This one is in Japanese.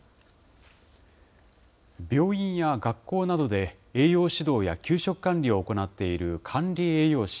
病院や学校などで栄養指導や給食管理を行っている管理栄養士。